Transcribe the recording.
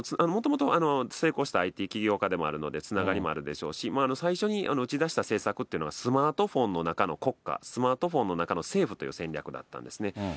もともと成功したＩＴ起業家でもあるので、つながりもあるでしょうし、最初に打ち出した政策っていうのは、スマートフォンの中の国家、スマートフォンの中の政府という戦略だったんですね。